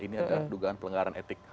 ini adalah dugaan pelanggaran etik